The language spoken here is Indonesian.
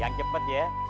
yang cepet ya